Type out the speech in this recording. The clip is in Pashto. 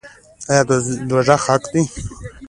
آیا دوزخ حق دی؟